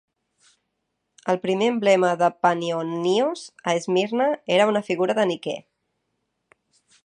El primer emblema de Panionios a Esmirna era una figura de Niké.